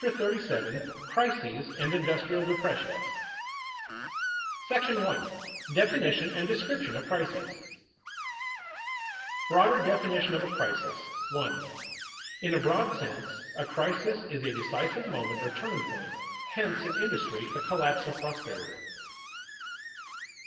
CHAPTER 37 CRISES AND INDUSTRIAL DEPRESSIONS § I. DEFINITION AND DESCRIPTION OF CRISES [Sidenote: Broader definition of a crisis] 1. _In a broad sense, a crisis is a decisive moment or turning point; hence, in industry, a collapse of prosperity.